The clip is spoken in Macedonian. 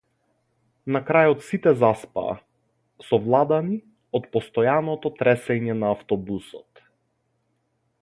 На крајот сите заспаа, совладани од постојаното тресење на автобусот.